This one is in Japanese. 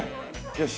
よし。